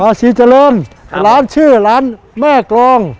พาดศรีเจริญร้านชื่อร้านแม่กอง